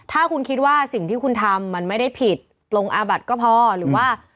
ถ้าคุณคิดว่าสิ่งที่คุณทำมันไม่ได้ผิดปลงอาบัติก็พอหรือว่า